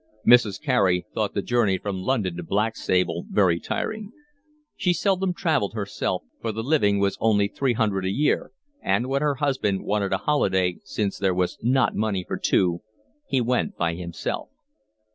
Mrs. Carey thought the journey from London to Blackstable very tiring. She seldom travelled herself, for the living was only three hundred a year, and, when her husband wanted a holiday, since there was not money for two, he went by himself.